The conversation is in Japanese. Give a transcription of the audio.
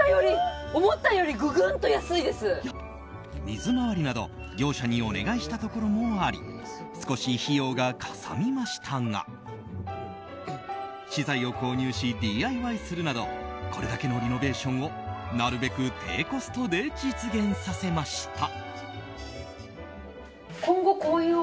水回りなど業者にお願いしたところもあり少し費用がかさみましたが資材を購入し、ＤＩＹするなどこれだけのリノベーションをなるべく低コストで実現させました。